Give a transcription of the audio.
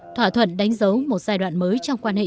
thỏa thuận đánh dấu một giai đoạn mới trong quan hệ